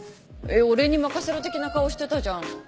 俺に任せろ的な顔してたじゃん。